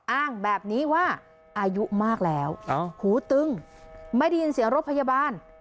อ้างแบบนี้ว่าอายุมากแล้วหูตึงไม่ได้ยินเสียงรถพยาบาล